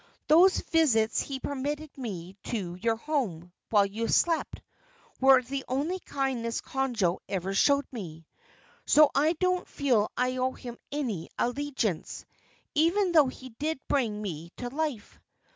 Those visits he permitted me to your home, while you slept, were the only kindness Conjo ever showed me, so I don't feel I owe him any allegiance, even though he did bring me to life.